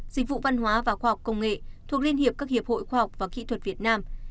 dịch vụ văn hóa và khoa học công nghệ thuộc liên hiệp các hiệp hội khoa học và kỹ thuật việt nam